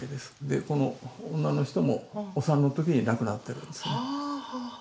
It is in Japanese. この女の人もお産の時に亡くなってるんですね。